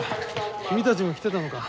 君たちも来てたのか。